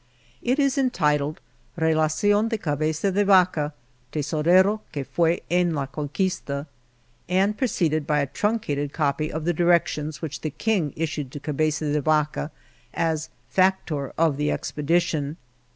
It is entitled, "Relacion de Cabeza de Vaca, tesorero que fue en la c&nquista" and preceded by a truncated copy of the directions which the King issued to Cabeza de Vaca as "Factor" of the expedition.